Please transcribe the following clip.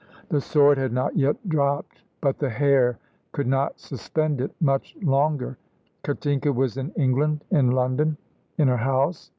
The sword had not yet dropped, but the hair could not suspend it much longer. Katinka was in England, in London, in her house.